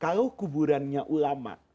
kalau kuburannya ulama